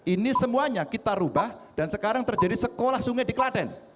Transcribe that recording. ini semuanya kita rubah dan sekarang terjadi sekolah sungai di klaten